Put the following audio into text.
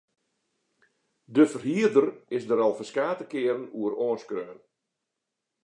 De ferhierder is der al ferskate kearen oer oanskreaun.